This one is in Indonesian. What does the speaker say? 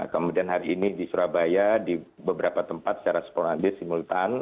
kemudian hari ini di surabaya di beberapa tempat secara sporadis simultan